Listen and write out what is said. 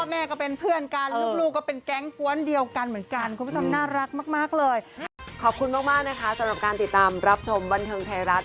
พ่อแม่ก็เป็นเพื่อนกันลูกก็เป็นแก๊งฟ้วนเดียวกันเหมือนกัน